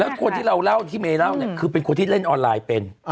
แล้วคนที่เราเล่าที่เมย์เล่าเนี่ยคือเป็นคนที่เล่นออนไลน์เป็น